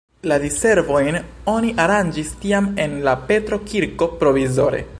La diservojn oni aranĝis tiam en la Petro-kirko provizore.